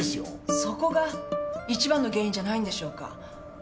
そこがいちばんの原因じゃないんでしょうか？